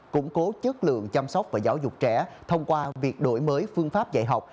củng cố chất lượng chăm sóc và giáo dục trẻ thông qua việc đổi mới phương pháp dạy học